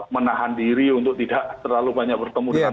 menahan diri untuk tidak terlalu banyak bertemu dengan